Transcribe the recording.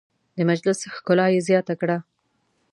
د مجلس ښکلا یې زیاته کړه.